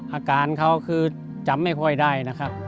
อาการเขาคือจำไม่ค่อยได้นะครับ